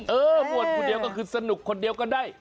บวชคนเดียวก็คือสนุกคนเดียวก็ได้